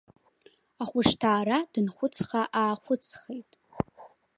Ахәышҭаара дынхәыҵха-аахәыҵхеит.